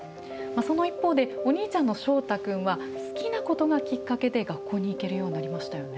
その一方でお兄ちゃんのしょうたくんは好きなことがきっかけで学校に行けるようになりましたよね。